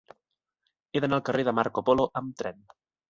He d'anar al carrer de Marco Polo amb tren.